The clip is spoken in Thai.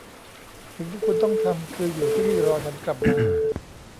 สิ่งที่คุณต้องทำคืออยู่ที่นี่รอฉันกลับมา